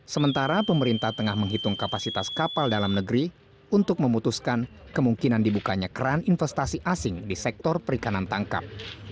sementara pemerintah tengah menghitung kapasitas kapal dalam negeri untuk memutuskan kemungkinan dibukanya keran investasi asing di sektor perikanan tangkap